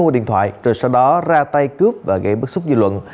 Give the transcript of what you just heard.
rồi sau đó ra tay cướp và gây bức xúc dư luận